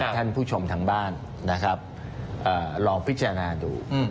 ท่านผู้ชมทางบ้านนะครับลองพิจารณาดู